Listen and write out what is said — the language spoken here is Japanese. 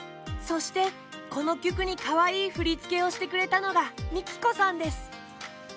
そしてこの曲にかわいいふりつけをしてくれたのがＭＩＫＩＫＯさんです！